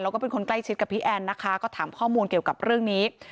แล้วก็เป็นคนใกล้ชิดกับพี่แอนนะคะก็ถามข้อมูลเกี่ยวกับเรื่องนี้